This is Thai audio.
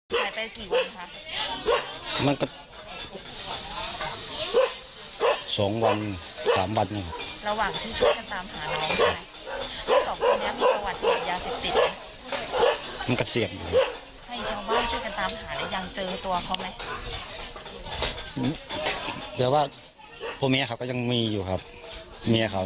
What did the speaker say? เขาก็มาช่วยงานอยู่คุณที่คำเมียนะครับ